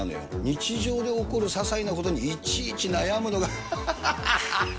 日常で起こるささいなことにいちいち悩むのが。